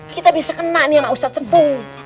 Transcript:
kita bisa kena nih sama ustadz tebu